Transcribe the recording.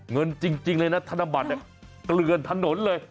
เงินจริงเลยนะธนบัตรเนี่ยเกลือนถนนเลย